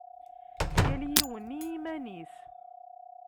Yal yiwen i yiman-is.